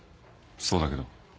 そうだけど。